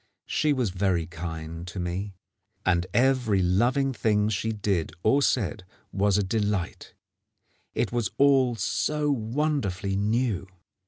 She was very kind to me, and every caress and every loving thing she did or said was a delight. It was all so wonderfully new.